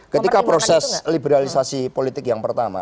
ketika proses liberalisasi politik yang pertama